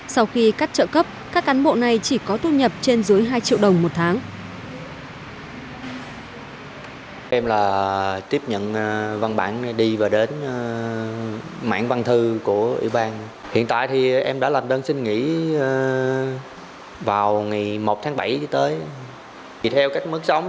sau khi cắt trợ cấp các cán bộ này chỉ có thu nhập trên dưới hai triệu đồng một tháng